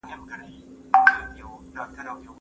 زه به سبا ږغ واورم،